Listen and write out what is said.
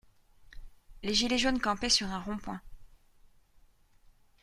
Les gilets jaunes campaient sur un rond-point.